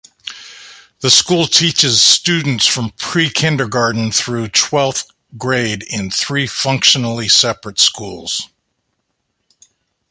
The school teaches students from pre-kindergarten through twelfth grade in three functionally separate schools.